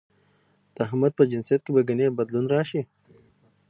د احمد په جنسيت کې به ګنې بدلون راشي؟